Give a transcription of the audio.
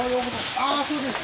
ああそうですか。